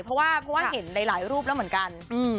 เพราะว่าเห็นหลายรูปแล้วเหมือนกัน